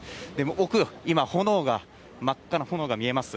奥、今、炎が、真っ赤な炎が見えます。